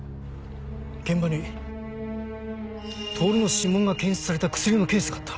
現場に透の指紋が検出された薬のケースがあった。